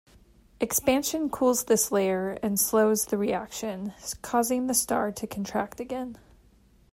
Expansion cools this layer and slows the reaction, causing the star to contract again.